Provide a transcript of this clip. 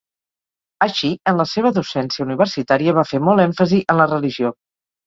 Així, en la seva docència universitària va fer molt èmfasi en la religió.